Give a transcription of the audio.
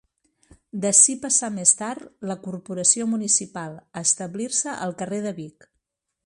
D'ací passà més tard, la Corporació municipal, a establir-se al carrer de Vic.